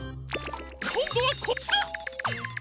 こんどはこっちだ！